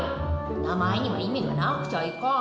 名前には意味がなくちゃいかん。